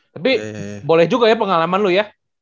tapi boleh juga ya pengalaman lu ya